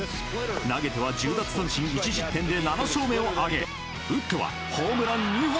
投げては１０奪三振１失点で７勝目を挙げ打ってはホームラン２本。